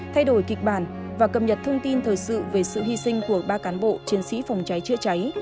thay đổi kịch bản và cập nhật thông tin thời sự về sự hy sinh của ba cán bộ chiến sĩ phòng cháy chữa cháy